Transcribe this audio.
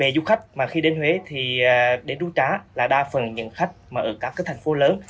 về du khách mà khi đến huế thì đến rú trá là đa phần những khách mà ở các cái thành phố lớn